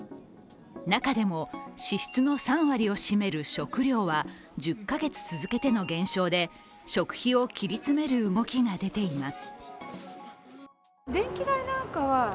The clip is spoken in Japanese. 中でも支出の３割を占める食料は１０か月続けての減少で食費を切り詰める動きが出ています。